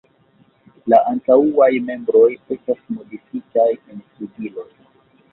La antaŭaj membroj estas modifitaj en flugiloj.